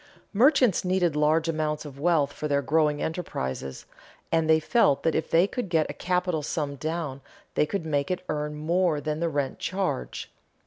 Merchants needed large amounts of wealth for their growing enterprises, and they felt that if they could get a capital sum down they could make it earn more than the rent charge.